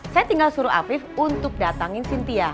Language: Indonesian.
saya tinggal suruh afif untuk datangin sintia ya